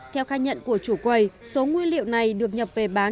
theo khai nhận của chủ quầy số nguyên liệu này được nhập về bán